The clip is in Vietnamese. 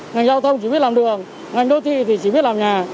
ngành giao thông chỉ biết làm đường ngành đô thị thì chỉ biết làm nhà